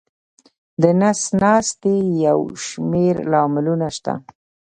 د نس ناستي یو شمېر لاملونه شته.